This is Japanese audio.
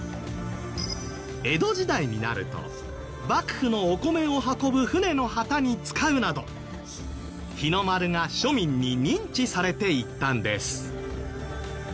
江戸時代になると幕府のお米を運ぶ船の旗に使うなど日の丸が庶民に認知されていったんです。